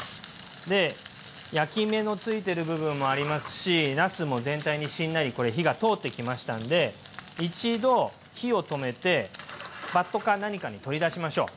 で焼き目のついてる部分もありますしなすも全体にしんなり火が通ってきましたんで一度火を止めてバットか何かに取り出しましょう。